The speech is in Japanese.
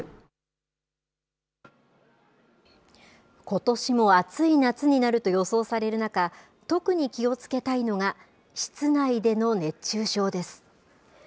ことしも暑い夏になると予想される中、特に気をつけたいのが、室内での熱中症です。